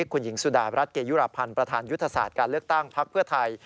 คุณหญิงสุดารัฐเกยุรพันธ์ประธานยุทธศาสตร์การเลือกตั้งพักเพื่อไทย